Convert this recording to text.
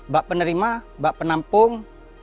bak penerima bak penampung